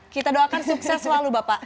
kita doakan sukses selalu bapak